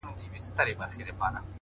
هغه به راسې; جارو کړې ده بیمار کوڅه!!